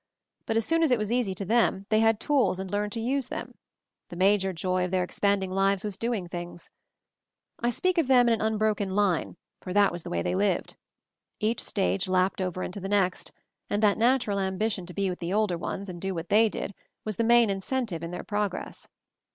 But as soon as it was easy to them they had tools and learned to use them; the major joy of their expanding lives was doing things. I speak MOVING THE MOUNTAIN 213 of them in an unbroken line, for that was the way they lived. Each stage lapped over into the next, and that natural ambition to be with the older ones and do what they did was the main incentive in their progress.